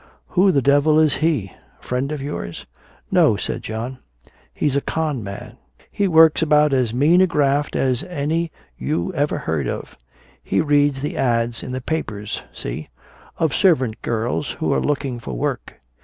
"Who the devil is he? A friend of yours?" "No," said John, "he's a 'con man.' He works about as mean a graft as any you ever heard of. He reads the 'ads' in the papers see? of servant girls who're looking for work.